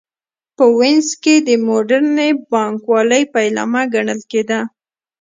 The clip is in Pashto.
په وینز کې د موډرنې بانک والۍ پیلامه ګڼل کېده